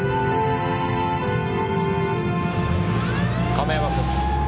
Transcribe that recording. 亀山君。